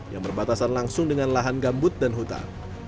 yang berbatasan langsung dengan lahan gambut dan hutan